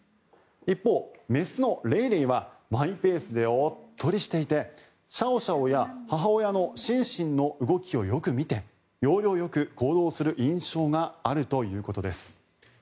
一方、雌のレイレイはマイペースでおっとりしていてシャオシャオや母親のシンシンの動きをよく見て要領よく行動する印象があるということです。